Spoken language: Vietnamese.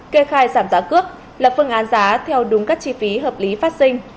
kê khai giảm giá cước lập phương án giá theo đúng các chi phí hợp lý phát sinh